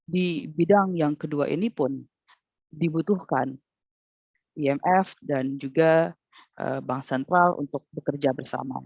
di bidang yang kedua ini pun dibutuhkan imf dan juga bank sentral untuk bekerja bersama